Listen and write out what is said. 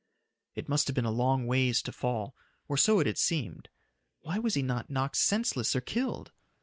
It must have been a long ways to fall or so it had seemed. Why was he not knocked senseless or killed?